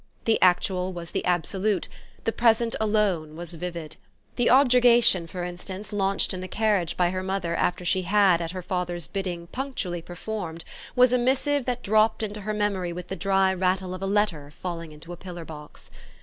The actual was the absolute, the present alone was vivid. The objurgation for instance launched in the carriage by her mother after she had at her father's bidding punctually performed was a missive that dropped into her memory with the dry rattle of a letter falling into a pillar box.